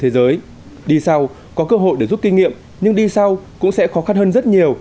đi sau có cơ hội để rút kinh nghiệm nhưng đi sau cũng sẽ khó khăn hơn rất nhiều